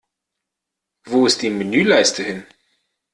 Wo ist die Menüleiste hin?